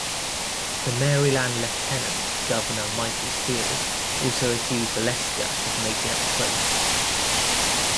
The Maryland Lieutenant Governor Michael Steele also accused Olesker of making up quotes.